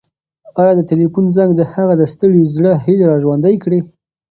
ایا د تلیفون زنګ د هغه د ستړي زړه هیلې راژوندۍ کړې؟